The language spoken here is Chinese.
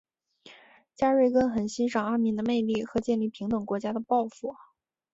加瑞根很欣赏阿敏的魅力和建立平等国家的抱负。